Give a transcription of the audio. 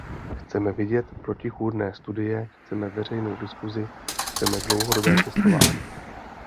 Chceme vidět protichůdné studie, chceme veřejnou diskusi, chceme dlouhodobé testování.